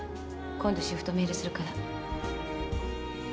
今度シフトメールするから。